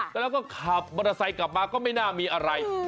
แล้วก็ขับมอเตอร์ไซค์กลับมาก็ไม่น่ามีอะไร